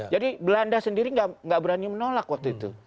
jadi belanda sendiri nggak berani menolak waktu itu